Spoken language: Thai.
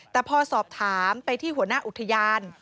แต่พอสอบถามไปที่หัวหน้าอุทยาน